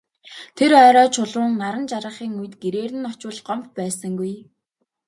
Тэр орой Чулуун наран жаргахын үед гэрээр нь очвол Гомбо байсангүй.